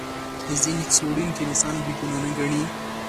ځینې څېړونکي انسان بې ګناه نه ګڼي.